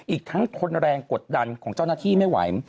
อีกทั้งทนแรงกดดันของเจ้าหน้าที่ไม่ไหว